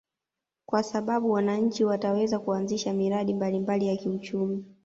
Kwa sababu wananchi wataweza kuanzisha miradi mbalimbali ya kiuchumi